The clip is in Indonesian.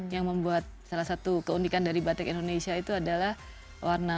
yang membuat salah satu keunikan dari batik indonesia itu adalah warna